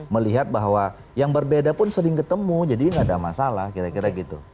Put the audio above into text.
melihat bahwa yang berbeda pun sering ketemu jadi ini nggak ada masalah kira kira gitu